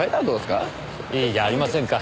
いいじゃありませんか。